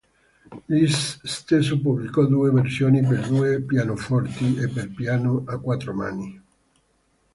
Liszt stesso pubblicò due versioni per due pianoforti e per piano a quattro mani.